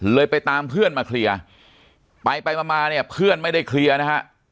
ไปตามเพื่อนมาเคลียร์ไปไปมามาเนี่ยเพื่อนไม่ได้เคลียร์นะฮะ